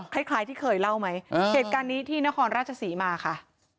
คล้ายที่เคยเล่าไหมเหตุการณ์นี้ที่นครราชศรีมาค่ะ